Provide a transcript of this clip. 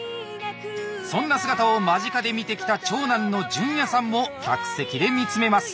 そんな姿を間近で見てきた長男の潤也さんも客席で見つめます。